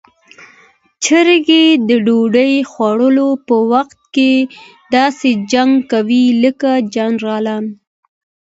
چرګې د ډوډۍ خوړلو په وخت کې داسې جنګ کوي لکه جنرالان.